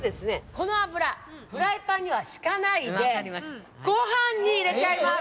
この油フライパンにはひかないでご飯に入れちゃいます」